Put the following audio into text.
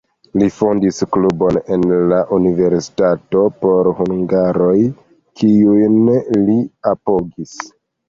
Li fondis klubon en la universitato por hungaroj, kiujn li apogis.